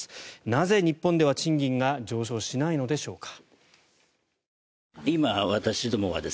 なぜ、日本では賃金が上昇しないのでしょうか。